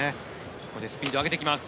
ここでスピードを上げてきます。